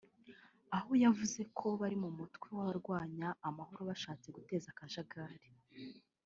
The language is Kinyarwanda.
aho yavuze ko bari mu mutwe w’abarwanya amahoro bashatse guteza akajagari